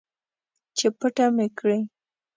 چې پټه مې کړي